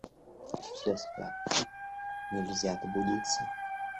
— Все спят, нельзя добудиться.